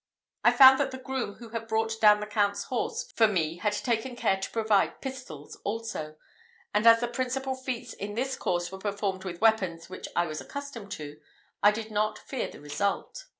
I found that the groom who had brought down the Count's horse for me had taken care to provide pistols also; and, as the principal feats in this course were performed with weapons which I was accustomed to, I did not fear the result.